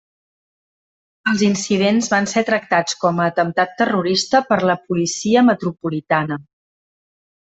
Els incidents van ser tractats com a atemptat terrorista per la Policia Metropolitana.